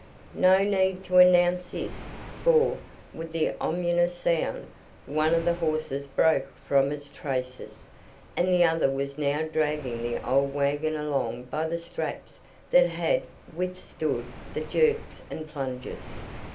No need to announce this, for, with the ominous sound, one of the horses broke from its traces, and the other was now dragging the old wagon along by the straps that had withstood the jerks and plunges.